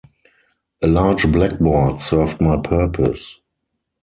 A large blackboard served my purpose.